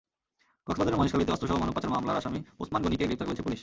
কক্সবাজারের মহেশখালীতে অস্ত্রসহ মানব পাচার মামলার আসামি ওচমান গণিকে গ্রেপ্তার করেছে পুলিশ।